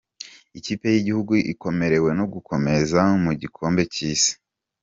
Ikipe yigihugu ikomerewe no gukomeza mugikombe cyisi